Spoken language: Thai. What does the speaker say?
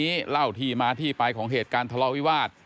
จากร้านนี้เล่าที่มาที่ปลายของเหตุการณ์ทะเลาวิวาส